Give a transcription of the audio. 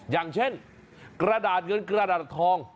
อย่างเช่นกระดาษเงินกระดาษทอง